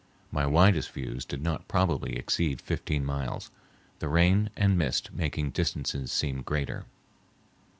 My widest views did not probably exceed fifteen miles, the rain and mist making distances seem greater.